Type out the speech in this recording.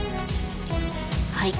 はい。